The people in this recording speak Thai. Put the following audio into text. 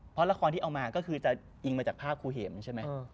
เพราะละครที่เอามาก็คือจะอิงมาจากภาพครูเห็มใช่ไหม